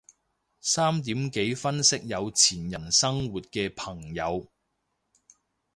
三點幾分析有錢人生活嘅朋友